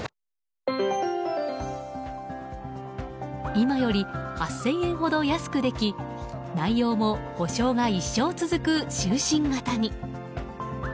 今より８０００円ほど安くでき内容も保障が一生続く終身型に。